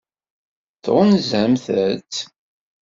Tɣunzamt-tt?